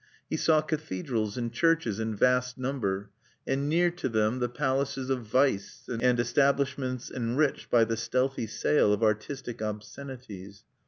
He saw cathedrals and churches in vast number, and near to them the palaces of vice, and establishments enriched by the stealthy sale of artistic obscenities.